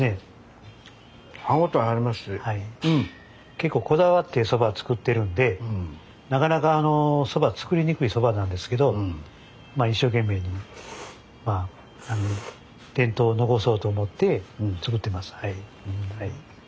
結構こだわってそば作ってるんでなかなかそば作りにくいそばなんですけど一生懸命に伝統を残そうと思って作ってます。